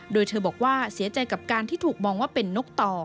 โดยเธอบอกว่าเสียใจกับการที่ถูกมองว่าเป็นนกต่อ